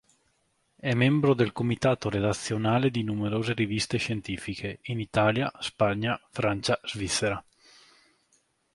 È membro del comitato redazionale di numerose riviste scientifiche, in Italia, Spagna, Francia, Svizzera.